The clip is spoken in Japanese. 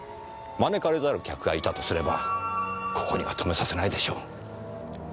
招かれざる客がいたとすればここには止めさせないでしょう。